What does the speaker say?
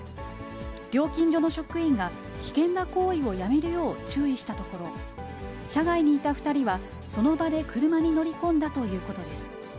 料金所の職員が、危険な行為をやめるよう注意したところ、車外にいた２人はその場で車に乗り込んだということです。